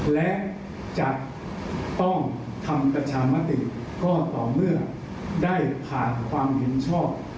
และจะต้องทำประชามติก็ต่อเมื่อได้ผ่านความเห็นชอบ